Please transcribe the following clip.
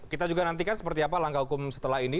kita juga nantikan langkah hukum setelah ini